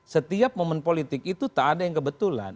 setiap momen politik itu tak ada yang kebetulan